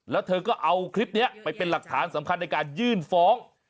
แล้วเธอก็เอาคลิปนี้ไปเป็นหลักฐานสำคัญในการยื่นฟ้อง